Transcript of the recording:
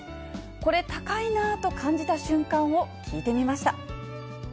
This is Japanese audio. これ高いなと感じた瞬間を聞いてみました。